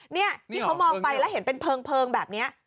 นี่ที่เขามองไปแล้วเห็นเป็นเพลิงแบบนี้